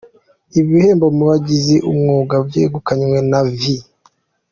Ibihembo mu babigize umwuga byegukanywe na V.